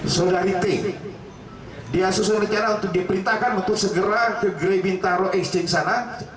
saudariti dia susun recana untuk diperintahkan untuk segera ke grebintaro exchange sana